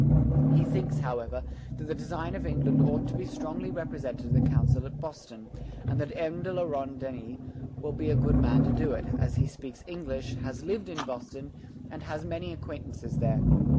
" He thinks, however, that the design of England ought to be strongly represented to the Council at Boston, and that M. de la Ronde Denys will be a good man to do it, as he speaks English, has lived in Boston, and has many acquaintances there.